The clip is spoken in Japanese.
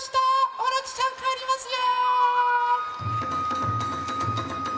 オロチちゃんかえりますよ。